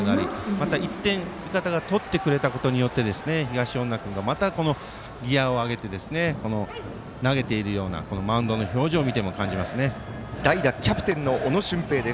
また、１点味方が取ってくれたことによって東恩納君がまたギヤを上げて投げているようなこのマウンドの表情を見ていても代打キャプテンの小野隼平。